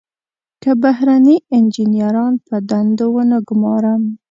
که بهرني انجنیران په دندو ونه ګمارم.